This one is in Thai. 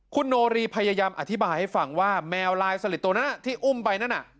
คุณโนรีพยายามอธิบายให้ฟังว่าแมวลายสลิดตัวนั้นที่อุ้มไปนั่นน่ะ